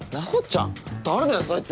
誰だよそいつ。